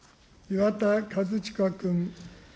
岩田和親君。